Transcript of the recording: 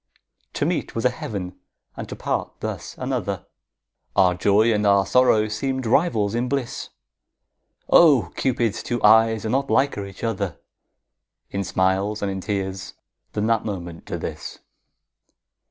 To meet was a heaven and to part thus another, Our joy and our sorrow seemed rivals in bliss; Oh! Cupid's two eyes are not liker each other In smiles and in tears than that moment to this.